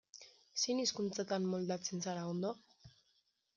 Zein hizkuntzatan moldatzen zara ondo?